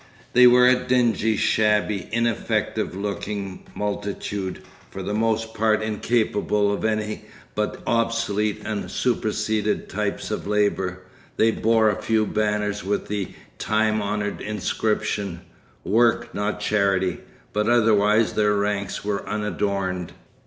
They were a dingy, shabby, ineffective looking multitude, for the most part incapable of any but obsolete and superseded types of labour. They bore a few banners with the time honoured inscription: 'Work, not Charity,' but otherwise their ranks were unadorned.